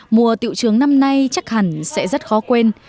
mùa tiệu trường năm nay chắc hẳn sẽ rất khó quên